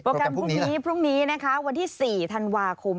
โปรแกรมพรุ่งนี้วันที่๔ธันวาคม